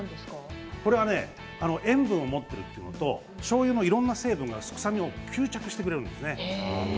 塩分を持っているのとしょうゆはいろんな成分があって吸着してくれるんですよね。